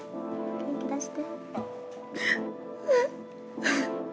元気出して